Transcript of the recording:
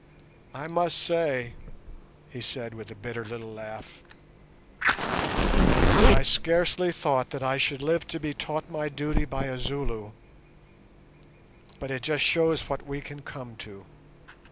"I must say," he said, with a bitter little laugh, "that I scarcely thought that I should live to be taught my duty by a Zulu; but it just shows what we can come to.